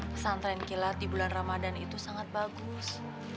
pesantren kilat di bulan ramadan itu sangat bagus